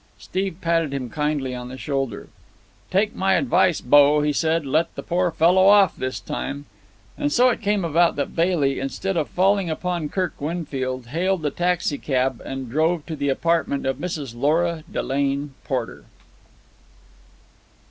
Steve patted him kindly on the shoulder. "Take my advice, bo," he said. "Let the poor fellow off this time." And so it came about that Bailey, instead of falling upon Kirk Winfield, hailed a taxicab and drove to the apartment of Mrs. Lora Delane Porter.